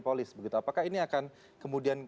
polis begitu apakah ini akan kemudian